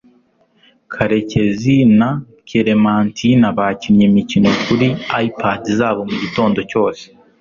karekezi na keremantina bakinnye imikino kuri ipad zabo mugitondo cyose